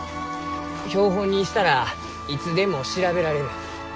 標本にしたらいつでも調べられる。